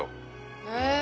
へえ。